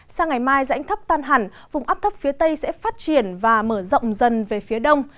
sao ngày mai dãnh thấp tan hẳn vùng ấp thấp phía tây sẽ phát triển và mở rộng dần về phía đông